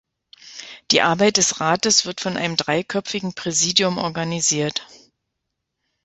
Die Arbeit des Rates wird von einem dreiköpfigen Präsidium organisiert.